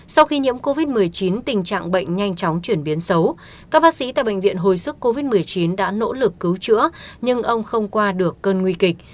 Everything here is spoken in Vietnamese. sau khi nhiễm covid một mươi chín tình trạng bệnh nhanh chóng chuyển biến xấu các bác sĩ tại bệnh viện hồi sức covid một mươi chín đã nỗ lực cứu chữa nhưng ông không qua được cơn nguy kịch